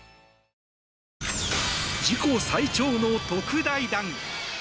自己最長の特大弾。